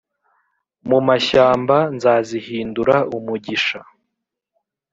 mu mashyamba Nzazihindura umugisha